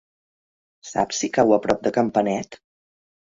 Saps si cau a prop de Campanet?